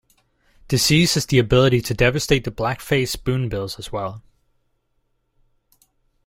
Disease has the ability to devastate the black-face spoonbills as well.